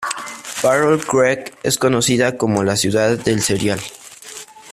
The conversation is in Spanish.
Battle Creek es conocida como la ciudad del cereal.